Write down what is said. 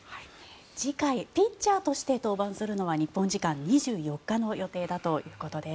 次回、ピッチャーとして登板するのは日本時間２４日の予定だということです。